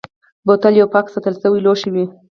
بوتل یو پاک ساتل شوی لوښی وي.